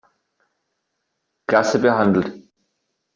Klasse behandelt.